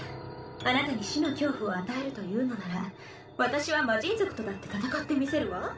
あなたに死の恐怖を与えるというのなら私は魔神族とだって戦ってみせるわ。